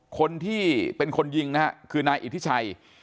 คนที่เป็นคนยิงนะฮะคือนายอิทธิชัย